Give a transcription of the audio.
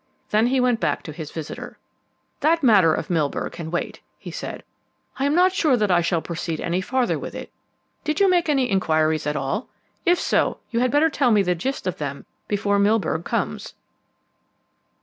Then he went back to his visitor. "That matter of Milburgh can wait," he said. "I'm not so sure that I shall proceed any farther with it. Did you make inquiries at all? If so, you had better tell me the gist of them before Milburgh comes."